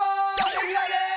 レギュラーです！